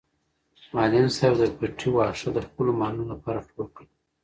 معلم صاحب د پټي واښه د خپلو مالونو لپاره ټول کړل.